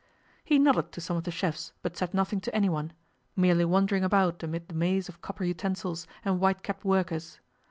He nodded to some of the chefs, but said nothing to anyone, merely wandering about amid the maze of copper utensils, and white capped workers.